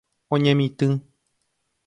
Oñemitỹ.